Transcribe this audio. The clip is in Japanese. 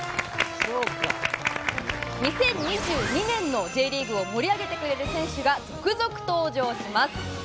２０２２年のＪリーグを盛り上げてくれる選手が続々登場します。